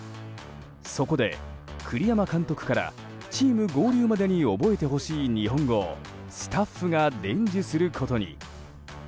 そこで栗山監督からチーム合流までに覚えてほしい日本語をスタッフが伝授することに。